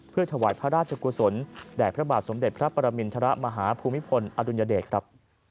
เพื่อถวายพระราชกุศลแด่พระบาทสมเด็จพระปรมินทรมาฮภูมิพลอดุลยเดชครับ